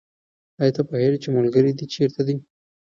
آیا ته پوهېږې چې ملګري دې چېرته دي؟